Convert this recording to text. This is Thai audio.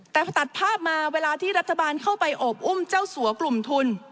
แต่พอตัดภาพมาเวลาที่รัฐบาลเข้าไปโอบอุ้มเจ้าสัวกลุ่มทุน